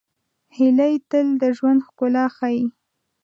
هیلۍ تل د ژوند ښکلا ښيي